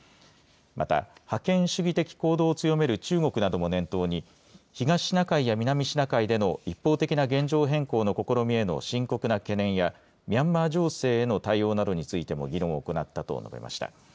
また、覇権主義的行動を強める中国なども念頭に、東シナ海や南シナ海での一方的な現状変更の試みへの深刻な懸念や、ミャンマー情勢への対応などについても議論を行ったと述べました。